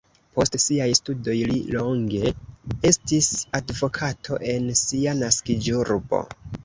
Post siaj studoj li longe estis advokato en sia naskiĝurbo.